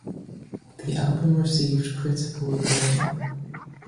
The album received critical acclaim.